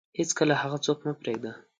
هیڅکله هغه څوک مه پرېږده